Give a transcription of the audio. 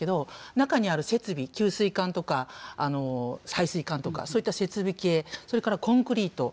中にある設備給水管とか配水管とかそういった設備系それからコンクリート。